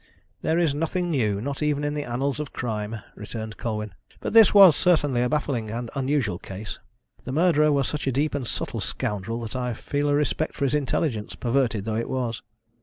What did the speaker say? "There is nothing new not even in the annals of crime," returned Colwyn. "But this was certainly a baffling and unusual case. The murderer was such a deep and subtle scoundrel that I feel a respect for his intelligence, perverted though it was.